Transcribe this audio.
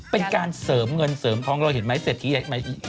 เป็นการเสริมเงินเสริมท้องรอยเห็นไหมเสร็จทีไหม